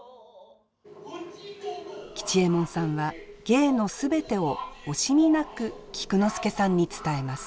吉右衛門さんは芸の全てを惜しみなく菊之助さんに伝えます。